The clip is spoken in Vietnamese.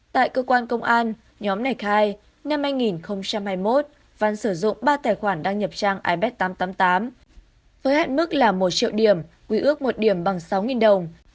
tại cơ quan công an nhóm này khai năm hai nghìn hai mươi một văn sử dụng ba tài khoản đăng nhập trang ipad tám trăm tám mươi tám với hạn mức là một triệu điểm quý ước một điểm bằng sáu đồng